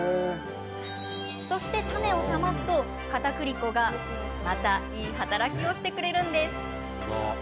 そして、タネを冷ますとかたくり粉がまたいい働きをしてくれます。